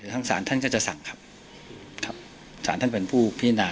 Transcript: ทั้งศาลท่านก็จะสั่งครับครับสารท่านเป็นผู้พิจารณา